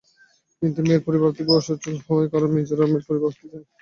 কিন্তু মেয়ের পরিবার আর্থিকভাবে অসচ্ছল হওয়ার কারণে মিজানুরের পরিবার আপত্তি জানায়।